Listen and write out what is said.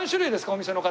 お店の方。